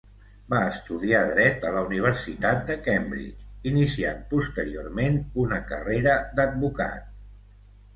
Va estudiar dret a la Universitat de Cambridge, iniciant posteriorment una carrera d'advocat.